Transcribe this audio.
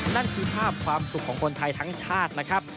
นั่นคือภาพความสุขของคนไทยทั้งชาตินะครับ